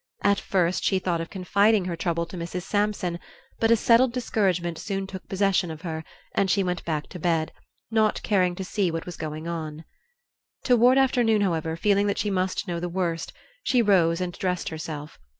At first she thought of confiding her trouble to Mrs. Sampson, but a settled discouragement soon took possession of her and she went back to bed, not caring to see what was going on. Toward afternoon, however, feeling that she must know the worst, she rose and dressed herself.